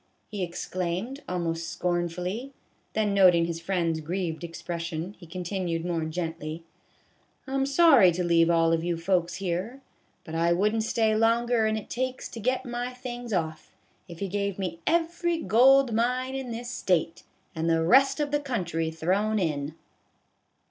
" he exclaimed, almost scornfully; then noting his friend's grieved expression, he continued more gently :" I 'm sorry to leave all of you folks here, but I wouldn't stay longer 'n it takes to get my things off, if you gave me every gold mine in this State, and the rest of the country thrown in